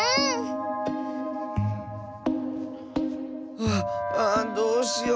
あっああどうしよう。